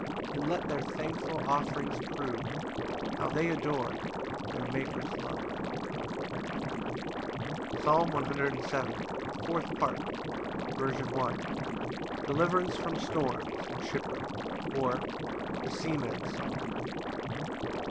And let their thankful offerings prove How they adore their Maker's love. Psalm 107:4. Fourth Part. L. M. Deliverance from storms, and shipwreck; or, The Seaman's song.